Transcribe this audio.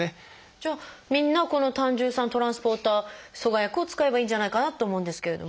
じゃあみんなこの胆汁酸トランスポーター阻害薬を使えばいいんじゃないかなと思うんですけれども。